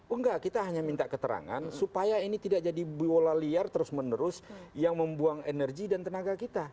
enggak kita hanya minta keterangan supaya ini tidak jadi bola liar terus menerus yang membuang energi dan tenaga kita